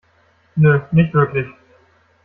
Nö, nicht wirklich.